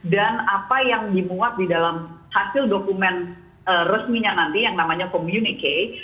dan apa yang dimuat di dalam hasil dokumen resminya nanti yang namanya communique